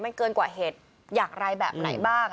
มันเกินกว่าเหตุอย่างไรแบบไหนบ้าง